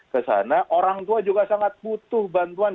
kesana orang tua juga sangat butuh bantuan